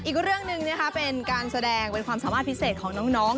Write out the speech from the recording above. อีกเรื่องหนึ่งนะคะเป็นการแสดงเป็นความสามารถพิเศษของน้อง